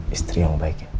istri yang baiknya